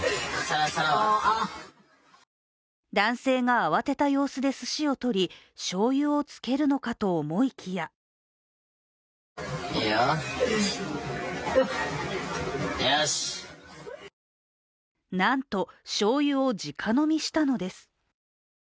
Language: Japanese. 男性が慌てた様子ですしを取りしょうゆをつけるのかと思いきやなんと、しょうゆを直飲みしたのです。